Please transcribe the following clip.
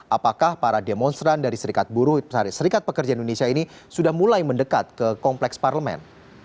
apakah para demonstran dari serikat buruh serikat pekerja indonesia ini sudah mulai mendekat ke kompleks parlemen